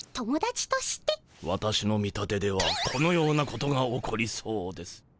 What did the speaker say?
私の見立てではこのようなことが起こりそうです。